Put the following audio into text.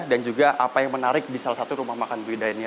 dan juga apa yang menarik di salah satu rumah makan bu ida ini